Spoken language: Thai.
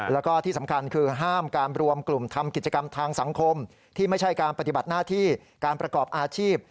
แล้วก็ที่สำคัญคือห้ามการรวมกลุ่มทำกิจกรรมทางสังคมที่ไม่ใช่การปฏิบัติหน้าที่การประกอบอาชีพ